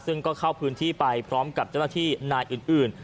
ซึ่งก็เข้าพื้นที่ไปพร้อมกับเจ้าหน้าที่นายอื่น